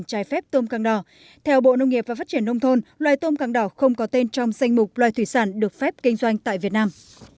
của bộ nông nghiệp và phát triển nông thôn loài tôm càng đỏ không có tên trong danh mục loài thủy sản được phép kinh doanh tại việt nam